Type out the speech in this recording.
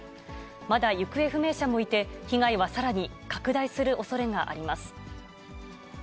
まだ行方不明者もいて、被害はさらに拡大するおそれがあります。